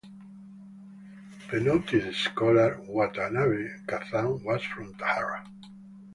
The noted scholar Watanabe Kazan was from Tahara.